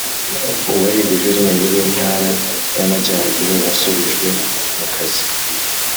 Uwari Guverineli w’intara y’amajyaruguru yasubijwe mu kazi